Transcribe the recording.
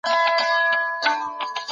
ننګرهار د سترو باغونو له امله نوم لري.